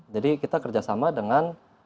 jadi kita kerjasama dengan